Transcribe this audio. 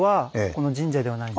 はい。